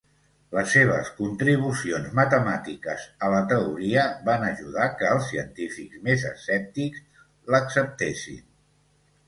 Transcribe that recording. Les seves contribucions matemàtiques a la teoria van ajudar que els científics més escèptics l'acceptessin.